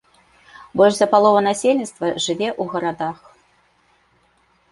Больш за палову насельніцтва жыве ў гарадах.